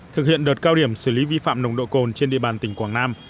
thực hiện đợt cao điểm xử lý vi phạm nồng độ cồn trên địa bàn tỉnh quảng nam